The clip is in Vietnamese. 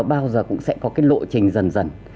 chúng tôi không bao giờ cũng sẽ có cái lộ trình dần dần